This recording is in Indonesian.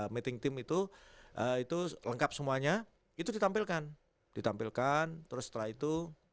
meeting team itu itu lengkap semuanya itu ditampilkan ditampilkan terus setelah itu